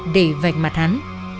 để vạch mặt hắn